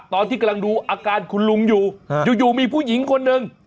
ตอนที่กำลังดูอาการคุณลุงอยู่อยู่มีผู้หญิงคนหนึ่ง